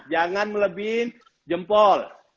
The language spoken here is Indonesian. jangan melebihin jempol